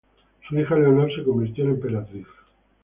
Su hija Leonor se convirtió en emperatriz.